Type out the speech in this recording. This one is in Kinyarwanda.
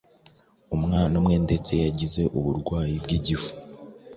Umwana umwe ndetse yagize uburwayi bw’igifu